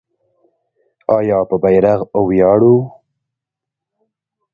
آیا په بیرغ ویاړو؟